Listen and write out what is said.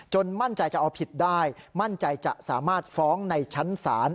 มั่นใจจะเอาผิดได้มั่นใจจะสามารถฟ้องในชั้นศาล